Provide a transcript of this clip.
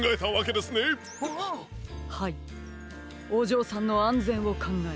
はいおじょうさんのあんぜんをかんがえ